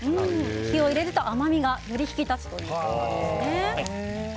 火を入れると甘みがより引き立つということですね。